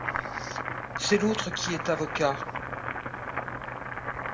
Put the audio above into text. C'est l'autre qui est avocat !